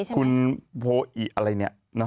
คุณโพอิอะไรเนี่ย